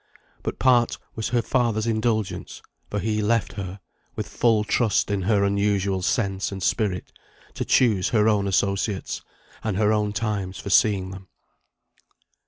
But part was her father's indulgence, for he left her, with full trust in her unusual sense and spirit, to choose her own associates, and her own times for seeing them.